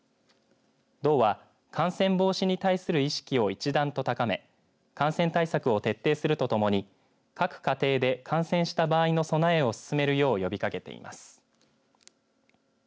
道は感染防止に対する意識を一段と高め感染対策を徹底するとともに各家庭で感染した場合の備えを進めるよう呼びかけています。